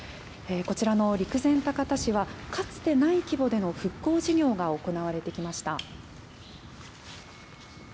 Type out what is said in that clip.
こちらの陸前高田市は、かつてない規模での復興事業が行われてきました。